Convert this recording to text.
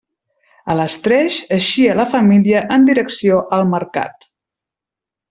A les tres eixia la família en direcció al Mercat.